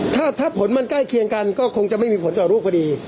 ถ้าผลมันใกล้เคียงกันก็คงจะไม่มีผลต่อรูปพอดี